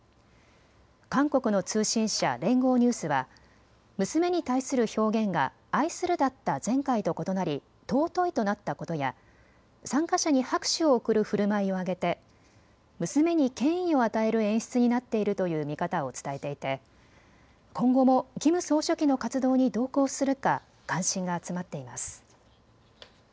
韓国の通信社、連合ニュースは娘に対する表現が愛するだった前回と異なり尊いとなったことや参加者に拍手を送るふるまいを挙げて娘に権威を与える演出になっているという見方を伝えていて今後もキム総書記の活動に同行するか関心が集まっています。